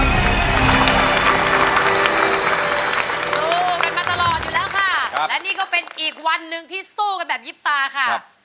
สู้มาตลอดแล้วค่ะอีกวันนึงที่สู้ค่ะ